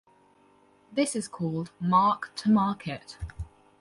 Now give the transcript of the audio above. This is called "mark to market".